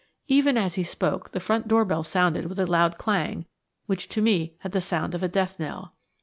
Even as he spoke the front door bell sounded with a loud clang, which to me had the sound of a death knell.